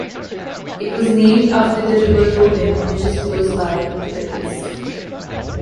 It was named after the River Roding which is close by, to the east.